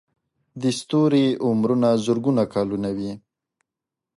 د ستوري عمرونه زرګونه کلونه وي.